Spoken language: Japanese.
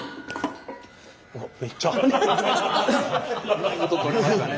うまいこと捕りましたね。